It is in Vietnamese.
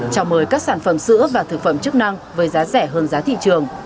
chào mời các sản phẩm sữa và thực phẩm chức năng với giá rẻ hơn giá thị trường